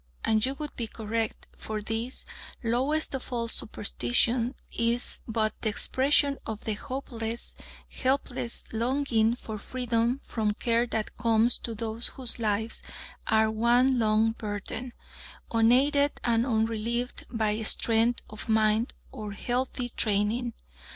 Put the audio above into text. and you would be correct, for this "lowest of all superstitions" is but the expression of the hopeless, helpless longing for freedom from care that comes to those whose lives are one long burthen, unaided and unrelieved by strength of mind or healthy training.